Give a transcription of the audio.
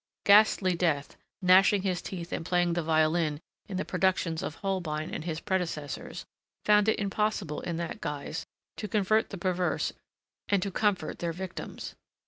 Ghastly Death, gnashing his teeth and playing the violin in the productions of Holbein and his predecessors, found it impossible in that guise to convert the perverse and to comfort their victims.